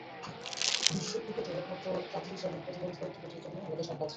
বিশ্ব ক্রিকেটে একমাত্র তাদেরই শারীরিক প্রতিবন্ধী ক্রিকেটের জন্য আলাদা শাখা আছে।